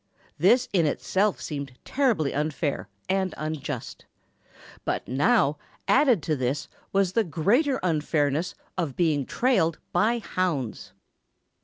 This in itself seemed terribly unfair and unjust. But now, added to this was the greater unfairness of being trailed by hounds.